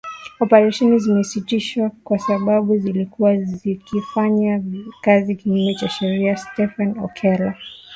Operesheni zimesitishwa kwa sababu zilikuwa zikifanya kazi kinyume cha sheria, Stephen Okello